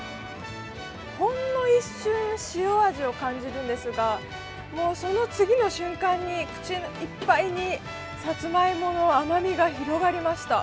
ほんの一瞬、塩味を感じるんですが、もうその次の瞬間に口いっぱいにさつまいもの甘みが広がりました。